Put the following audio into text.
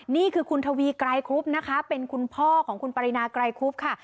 นี่คือคุณทวีไกรครุบนะคะเป็นคุณพ่อของคุณปรินาไกรคุบค่ะ